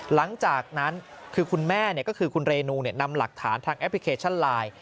หลังจากนั้นคือคุณแม่ก็คือคุณเรนูนำหลักฐานทางแอปพลิเคชันไลน์